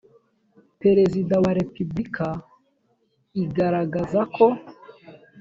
perezida wa repubulika igaragazako.